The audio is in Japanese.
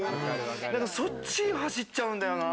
何かそっちに走っちゃうんだよな。